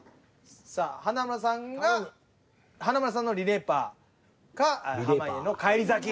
さあ華丸さんが華丸さんのリレパーか濱家の返り咲き。